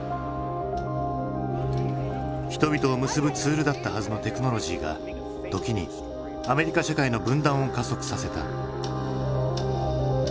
人々を結ぶツールだったはずのテクノロジーが時にアメリカ社会の分断を加速させた。